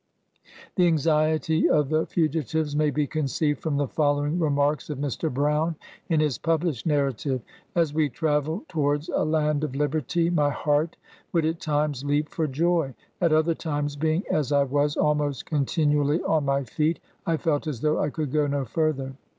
The anxiety of the fugitives may be conceived from the following remarks of Mr. Brown, in his published narrative: —''' As we travelled towards a land of lib erty, my heart would at times leap for joy: at other times, being, as I was, almost continually on my feet, I felt as though I could go no further.